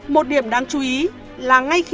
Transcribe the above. một điểm đáng chú ý là ngay khi